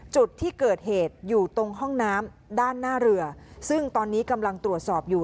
จุดที่เกิดเหตุอยู่ตรงห้องน้ำด้านหน้าเรือซึ่งตอนนี้กำลังตรวจสอบอยู่